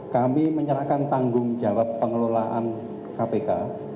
kami menyerahkan tanggung jawab pengelolaan kpk